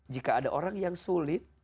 jika ada orang yang sulit